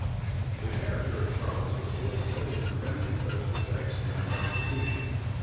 The character of Charles was ill fitted to remedy those defects in the constitution.